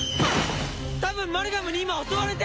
多分マルガムに今襲われて。